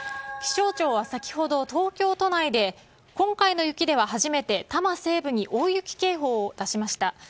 気象庁は先ほど東京都内で今回の雪では初めて多摩西部に大雪警報を出しました。